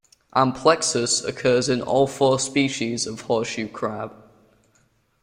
Amplexus occurs in all four species of horseshoe crab.